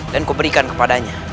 dan kuberikan kepadanya